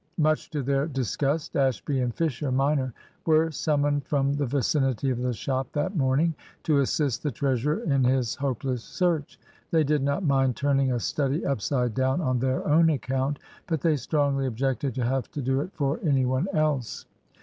Much to their disgust, Ashby and Fisher minor were summoned from the vicinity of the shop that morning to assist the treasurer in his hopeless search. They did not mind turning a study upside down on their own account, but they strongly objected to have to do it for any one else.